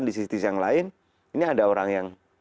di sisi yang lain ini ada orang yang